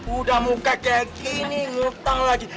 udah muka kayak gini ngutang lagi